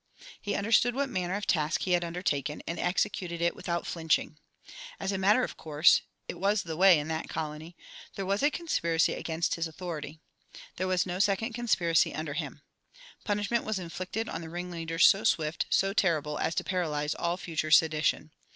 He understood what manner of task he had undertaken, and executed it without flinching. As a matter of course it was the way in that colony there was a conspiracy against his authority. There was no second conspiracy under him. Punishment was inflicted on the ringleaders so swift, so terrible, as to paralyze all future sedition.